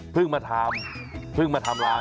พึ่งมาทำพึ่งมาทำรัง